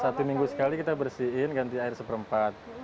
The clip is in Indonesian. satu minggu sekali kita bersihin ganti air seperempat